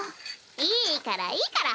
いいからいいから。